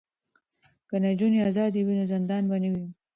که نجونې ازادې وي نو زندان به نه وي.